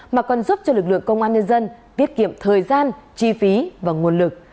mà còn giúp cho lực lượng công an nhân dân tiết kiệm thời gian chi phí và nguồn lực